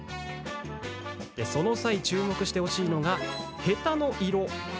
その際、注目してほしいのがヘタの色。